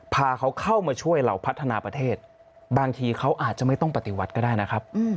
พาเขาเข้ามาช่วยเราพัฒนาประเทศบางทีเขาอาจจะไม่ต้องปฏิวัติก็ได้นะครับ